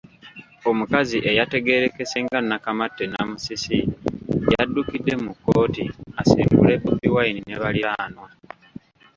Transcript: Omukazi eyategeerekese nga Nakamatte Namusisi yaddukidde mu kkooti asengule Bobi Wine ne baliraanwa.